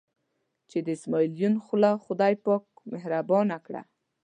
چې د اسمعیل یون خوله خدای پاک مهربانه کړه.